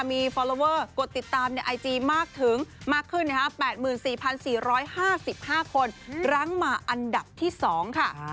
มีฟอลลอเวอร์กดติดตามในไอจีมากถึงมากขึ้น๘๔๔๕๕คนรั้งมาอันดับที่๒ค่ะ